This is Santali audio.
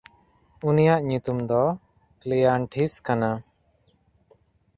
ᱩᱱᱤᱭᱟᱜ ᱧᱩᱛᱩᱢ ᱫᱚ ᱠᱞᱮᱭᱟᱱᱴᱷᱤᱥ ᱠᱟᱱᱟ᱾